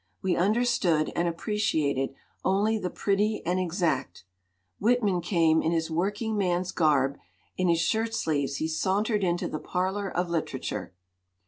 We understood and appreciated only the pretty and exact. Whitman came in his working man's garb, in his shirt sleeves he sauntered into the parlor of literature.